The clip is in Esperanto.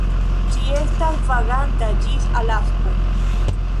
Ĝi estas vaganta ĝis Alasko.